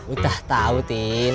udah tau tin